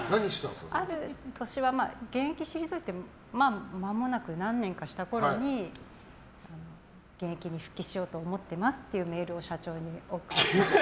ある年は現役を退いてまもなく、何年かしたころに現役に復帰しようと思ってますっていうメールを社長に送って。